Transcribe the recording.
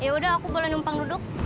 yaudah aku boleh numpang duduk